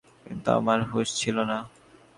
কিন্তু আমার হুঁশ ছিল না।